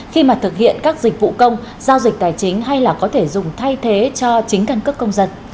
khi mà thực hiện các dịch vụ công giao dịch tài chính hay là có thể dùng thay thế cho chính căn cước công dân